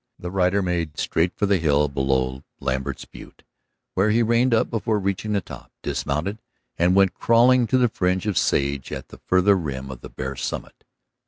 The rider made straight for the hill below Lambert's butte, where he reined up before reaching the top, dismounted and went crawling to the fringe of sage at the farther rim of the bare summit.